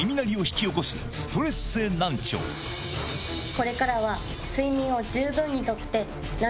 これからは。